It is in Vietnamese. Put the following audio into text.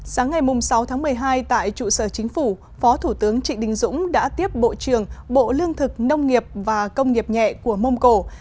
sáng ngày sáu tháng một mươi hai tại trụ sở chính phủ phó thủ tướng trịnh đình dũng đã tiếp bộ trưởng bộ lương thực nông nghiệp và công nghiệp nhẹ của mông cổ